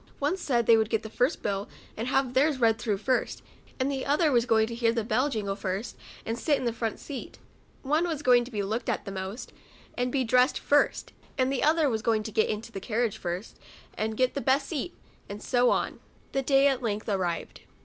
One said they would get the first bill and have theirs read through first, and the other w T as going to hear the bell jingle first, and sit in the front seat ; one was going to be looked at the most, and be dressed first ; and the other was going to get into the carriage first, and get the best seat, and so on. The day 54 MEMOIRS OF A at length arrived.